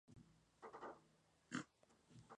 Entre sus descendientes estuvo el dictador Sila.